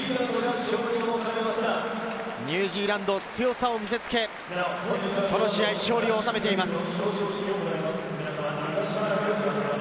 ニュージーランドは強さを見せつけ、この試合、勝利を収めています。